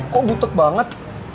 kok butut banget